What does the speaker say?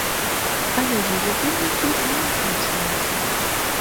Але яе вынікі не агучваюцца.